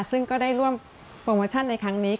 ซึ่งก็ได้ร่วมโปรโมชั่นในครั้งนี้